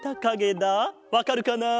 わかるかな？